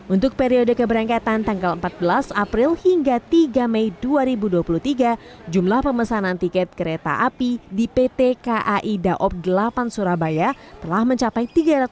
untuk periode keberangkatan tanggal empat belas april hingga tiga mei dua ribu dua puluh tiga jumlah pemesanan tiket kereta api di pt kai daob delapan surabaya telah mencapai tiga ratus tiga puluh